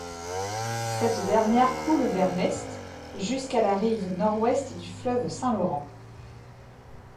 Cette dernière coule vers l’Est, jusqu’à la rive Nord-Ouest du fleuve Saint-Laurent.